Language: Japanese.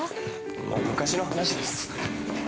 ◆もう昔の話です。